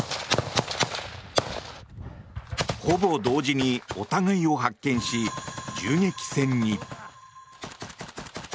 ほぼ同時にお互いを発見し銃撃戦に。